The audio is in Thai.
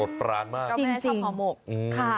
เจ้าแม่ชอบห่อหมก